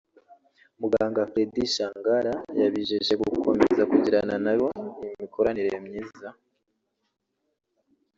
Muganga Freddy Sangala yabijeje gukomeza kugirana na bo imikoranire myiza